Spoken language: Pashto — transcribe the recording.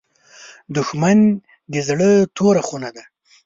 دښمن د زړه توره خونه ده